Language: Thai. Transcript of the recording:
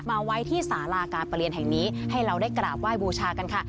มาไว้ที่สาราการประเรียนแห่งนี้ให้เราได้กราบไหว้บูชากันค่ะ